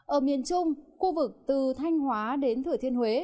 ở miền trung khu vực từ thanh hóa đến thừa thiên huế